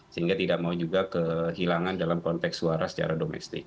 sehingga tidak mau juga kehilangan dalam konteks suara secara domestik